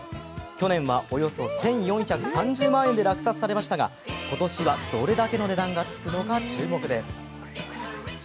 去年はおよそ１４３０万円で落札されましたが今年はどれだけの値段がつくのか注目です。